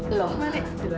eh itu dia